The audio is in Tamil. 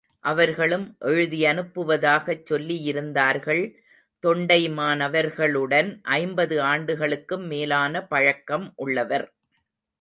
அவர்களும் எழுதியனுப்புவதாகச் சொல்லியிருந்தார்கள் தொண்டைமானவர்களுடன் ஐம்பது ஆண்டுகளுக்கும் மேலான பழக்கம் உள்ளவர்.